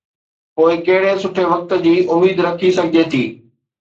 پوءِ ڪهڙي سٺي وقت جي اميد رکي سگهجي ٿي.